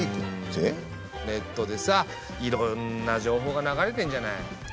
ネットでさいろんな情報が流れてんじゃない。